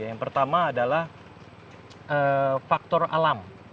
yang pertama adalah faktor alam